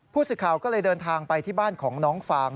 ผู้สื่อข่าวก็เลยเดินทางไปที่บ้านของน้องฟาง